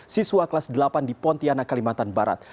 siswa kelas delapan di pontianak kalimantan barat